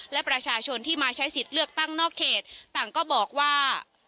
และประชาชนที่มาใช้สิทธิ์เลือกตั้งนอกเขตต่างก็บอกว่า